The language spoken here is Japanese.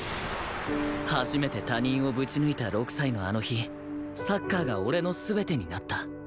初めて他人をぶち抜いた６歳のあの日サッカーが俺の全てになった